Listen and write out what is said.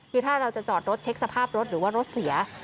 คือถ้าเราจะจอดรถเช็คสภาพรถหรือว่ารถเสีย